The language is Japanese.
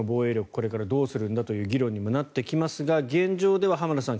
これからどうするんだという議論にもなってきますが現状では浜田さん